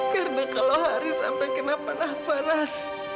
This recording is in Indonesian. karena kalau haris sampai kenapa napa ras